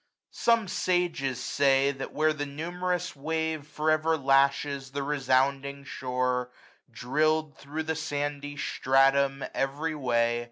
740 Some sages say, that where the numerous wave For ever lashes the resounding shore, Driird thro* the sandy stratum, every way.